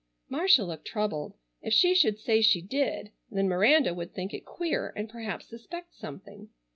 Marcia looked troubled. If she should say she did then Miranda would think it queer and perhaps suspect something.